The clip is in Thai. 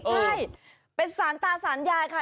ใช่เป็นสารตาสารยายค่ะ